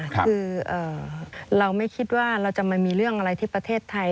คือเราไม่คิดว่าเราจะมามีเรื่องอะไรที่ประเทศไทย